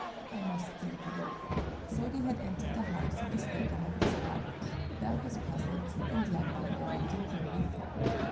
I must think it over." So they had entered the house in the state I have described Balbus puzzled, and Lambert buried in gloomy thought.